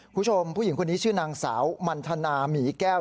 คุณผู้ชมผู้หญิงคนนี้ชื่อนางสาวมันทนาหมีแก้ว